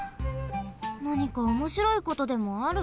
なにかおもしろいことでもある？